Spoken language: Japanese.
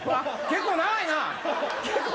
結構長いな。